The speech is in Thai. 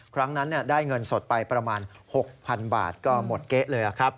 ครั้งนั้นได้เงินสดไปประมาณ๖๐๐๐บาทก็หมดเก๊ะเลยครับ